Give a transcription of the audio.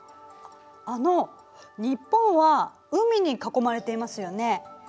あの日本は海に囲まれていますよね。